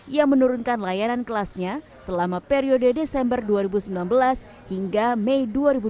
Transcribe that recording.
ia menurunkan layanan kelasnya selama periode desember dua ribu sembilan belas hingga mei dua ribu dua puluh